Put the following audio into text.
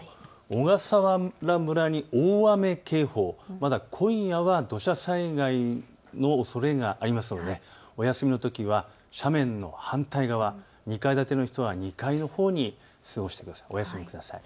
小笠原村に大雨警報、まだ今夜は土砂災害のおそれがありますのでお休みのときは斜面の反対側、２階建ての人は２階のほうにお休みください。